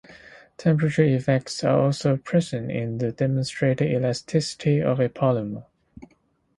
Temperature effects are also present in the demonstrated elasticity of a polymer.